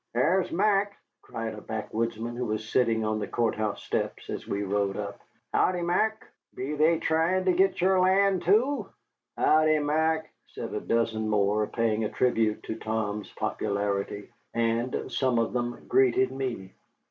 "Thar's Mac," cried a backwoodsman who was sitting on the court house steps as we rode up. "Howdy, Mac; be they tryin' to git your land, too?" "Howdy, Mac," said a dozen more, paying a tribute to Tom's popularity. And some of them greeted me.